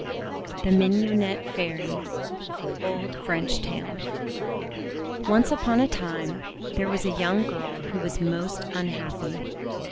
THE MIGNONETTE FAIRY Old French Tale ONCE upon a time, there was a young girl who was most unhappy.